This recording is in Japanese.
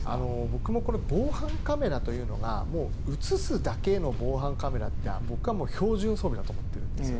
僕も防犯カメラというのは映すだけの防犯カメラって標準装備だと思ってるんです。